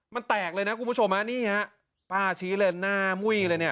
มันแตกเลยนะคุณผู้ชมฮะนี่ฮะป้าชี้เลยหน้ามุ้ยเลยเนี่ย